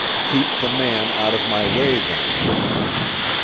"Keep the man out of my way, then."